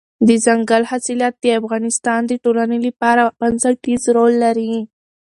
دځنګل حاصلات د افغانستان د ټولنې لپاره بنسټيز رول لري.